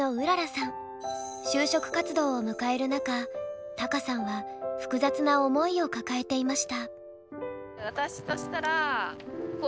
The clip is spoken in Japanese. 就職活動を迎える中多賀さんは複雑な思いを抱えていました。